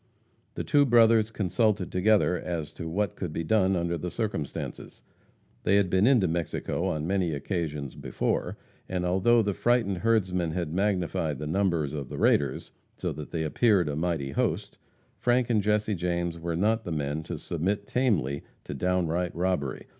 The two brothers consulted together as to what could be done under the circumstances. They had been into Mexico on many occasions before, and, although the frightened herdsman had magnified the numbers of the raiders, so that they appeared a mighty host, Frank and Jesse James were not the men to submit tamely to downright robbery.